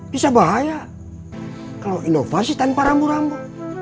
bisa bahaya kalau inovasi tanpa rambu rambu